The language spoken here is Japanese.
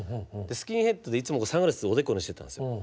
スキンヘッドでいつもサングラスおでこにしてたんですよ。